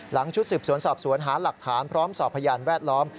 ชุดสืบสวนสอบสวนหาหลักฐานพร้อมสอบพยานแวดล้อม